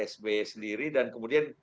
sby sendiri dan kemudian